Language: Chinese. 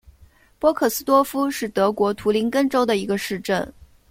波克斯多夫是德国图林根州的一个市镇。